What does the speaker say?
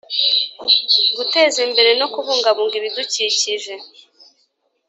Guteza imbere no kubungabunga ibidukikije